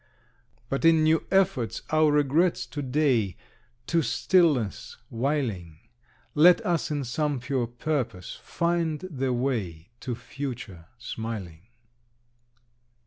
But in new efforts our regrets to day To stillness whiling, Let us in some pure purpose find the way To future smiling.